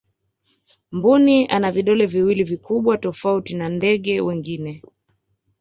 mbuni ana vidole viwili vikubwa tofauti na ndege wengine